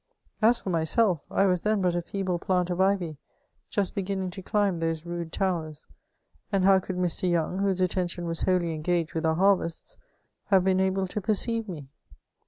As for mjnidf, I was then but a feeble plant of ivy, just beginning to ehmb those rude towers ; and how could Mr. Young, whose attention waff wholly en gaged with oar harvests, have been able to perceive me